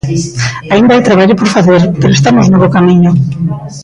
Aínda hai traballo por facer, pero estamos no bo camiño.